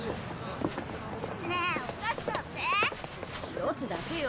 １つだけよ。